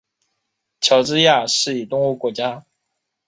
乔治亚是一东欧国家。